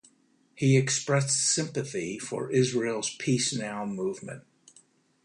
He expressed sympathy for Israel's Peace Now movement.